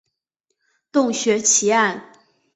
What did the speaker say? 洞穴奇案。